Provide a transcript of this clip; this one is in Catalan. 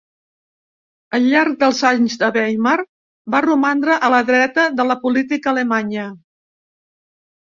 Al llarg dels anys de Weimar va romandre a la dreta de la política alemanya.